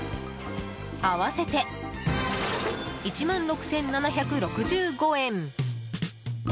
合わせて１万６７６５円。